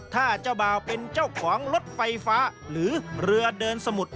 ถ้าเจ้าบ่าวเป็นเจ้าของรถไฟฟ้าหรือเรือเดินสมุด